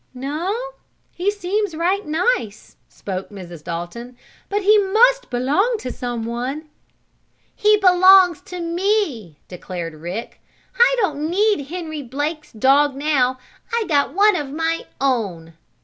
"No, he seems right nice," spoke Mrs. Dalton. "But he must belong to someone." "He belongs to me!" declared Rick. "I don't need Henry Blake's dog now; I got one of my own!"